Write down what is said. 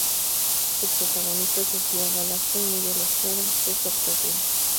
Su protagonista Sofía Gala fue muy elogiada por su actuación.